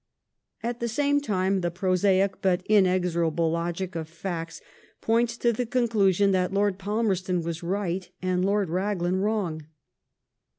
At the same time the piosaic but inexorable logic of facts points to the conclusion that Lord Palmerston ^as right and Lord Raglan wrong.